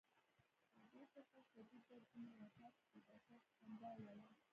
له دې څخه شدید دردونه لا پاتې دي. ډاکټر په خندا وویل.